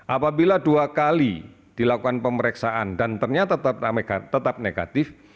apabila dua kali dilakukan pemeriksaan dan ternyata tetap negatif